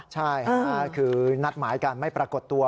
ใช่ค่ะคือนัดหมายกันไม่ปรากฏตัว